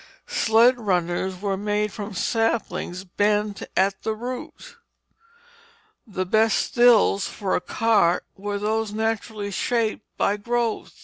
Sled runners were made from saplings bent at the root. The best thills for a cart were those naturally shaped by growth.